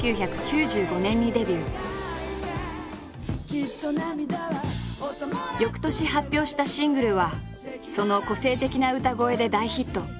「きっと涙は」翌年発表したシングルはその個性的な歌声で大ヒット。